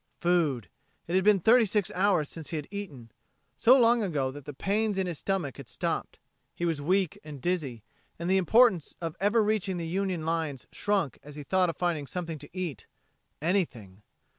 Food.... It had been thirty six hours since he had eaten so long ago that the pains in his stomach had stopped. He was weak and dizzy, and the importance of ever reaching the Union lines shrunk as he thought of finding something to eat anything.